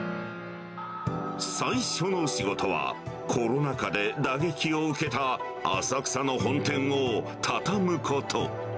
最初の仕事は、コロナ禍で打撃を受けた浅草の本店を畳むこと。